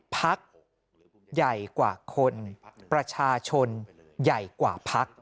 พักใหญ่กว่าคนประชาชนใหญ่กว่าพัก